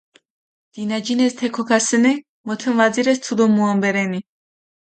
დინაჯინეს თე ქოქასჷნი, მუთუნ ვაძირეს თუდო მუამბე რენი.